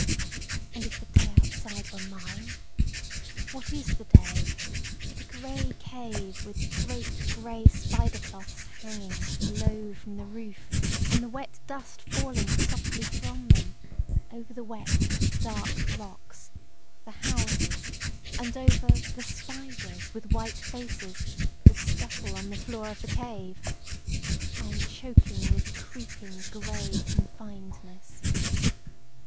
And if the day outside were mine! What is the day But a grey cave, with great grey spider cloths hanging Low from the roof, and the wet dust falling softly from them Over the wet dark rocks, the houses, and over The spiders with white faces, that scuttle on the floor of the cave! I am choking with creeping, grey confinedness.